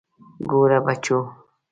ګوره بچو.